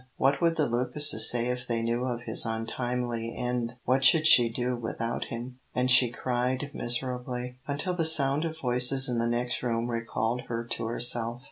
What would the Lucases say if they knew of his untimely end? What should she do without him? and she cried miserably, until the sound of voices in the next room recalled her to herself.